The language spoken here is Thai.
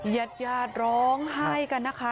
ยัดยาร้องไห้กันนะคะ